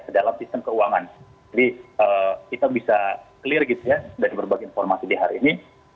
ke dalam sistem keuangan jadi kita bisa clear gitu ya dari berbagai informasi di hari ini